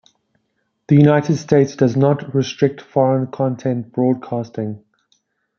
The United States does not restrict foreign content broadcasting.